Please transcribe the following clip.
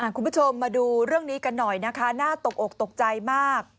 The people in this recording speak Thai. คุณผู้ชมมาดูเรื่องนี้กันหน่อยนะคะน่าตกอกตกใจมาก